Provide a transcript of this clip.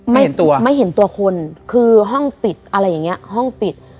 ไม่ตัวไม่เห็นตัวคนคือห้องปิดอะไรอย่างเงี้ยห้องปิด